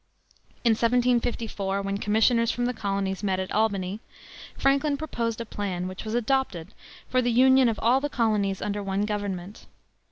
In 1754, when commissioners from the colonies met at Albany, Franklin proposed a plan, which was adopted, for the union of all the colonies under one government.